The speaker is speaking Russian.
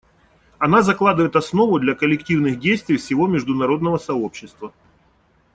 Она закладывает основу для коллективных действий всего международного сообщества.